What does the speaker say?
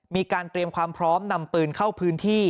มีการเตรียมความพร้อมนำปืนเข้าพื้นที่